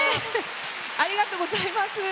ありがとうございます。